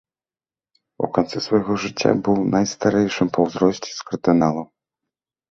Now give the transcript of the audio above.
У канцы свайго жыцця быў найстарэйшым па ўзросце з кардыналаў.